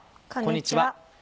こんにちは。